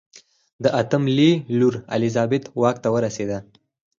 د اتم لي لور الیزابت واک ته ورسېده.